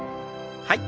はい。